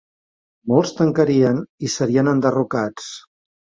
Molts tancarien i serien enderrocats.